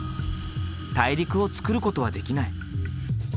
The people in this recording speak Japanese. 大陸をつくることはできない。